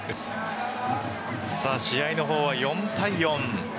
試合の方は４対４。